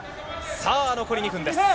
さあ、残り２分です。